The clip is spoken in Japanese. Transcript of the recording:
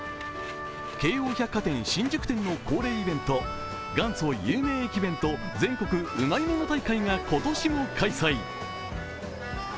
京王百貨店新宿店の恒例イベント、元祖有名駅弁と全国うまいもの大会が今年も開催。